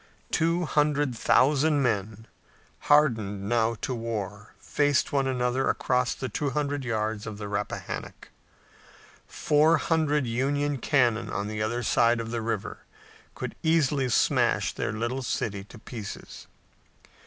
Two hundred thousand men, hardened now to war, faced one another across the two hundred yards of the Rappahannock. Four hundred Union cannon on the other side of the river could easily smash their little city to pieces.